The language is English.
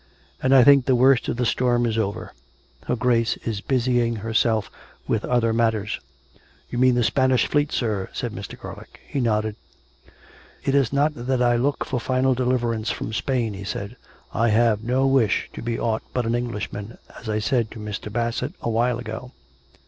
" And I think the worst of the storm is over. Her Grace is busying herself with other matters." "You mean the Spanish fleet, sir?" said Mr. Gar lick. He nodded. " It is not that I look for final deliverance from Spain," he said. " I have no wish to be aught but an Englishman, as I said to Mr. Bassett a while ago.